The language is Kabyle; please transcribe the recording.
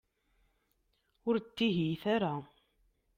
Ur ttihiyet ara.